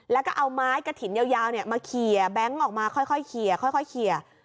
แล้วก็เอาไม้กระถิ่นยาวมาเคลียร์แบงค์ออกมาค่อยเคลียร์ค่อยเคลียร์